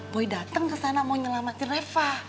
boy dateng ke sana mau nyelamatin treva